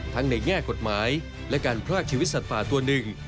ในแง่กฎหมายและการพรากชีวิตสัตว์ป่าตัวหนึ่ง